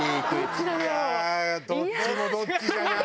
いやあどっちもどっちじゃない？